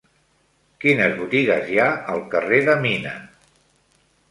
Quines botigues hi ha al carrer de Mina?